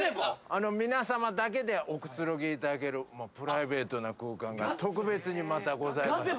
皆さまだけでおくつろぎいただけるプライベートな空間が特別にまたございます。